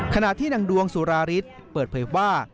ขณะที่ดวงสุราริสเปิดเผยว่า